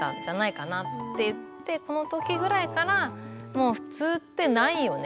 この時ぐらいからもう普通ってないよねっていう。